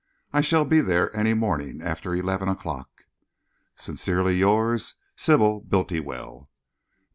I shall be there any morning after eleven o'clock. Sincerely yours, Sybil Bultiwell.